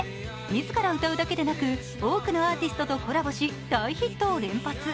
自ら歌うだけでなく、多くのアーティストとコラボし、大ヒットを連発。